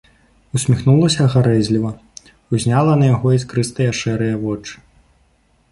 Усміхнулася гарэзліва, узняла на яго іскрыстыя шэрыя вочы.